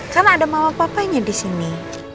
kan ada mama papa nya disini